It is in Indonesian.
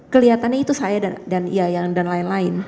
kelihatannya itu saya dan ia yang lain lain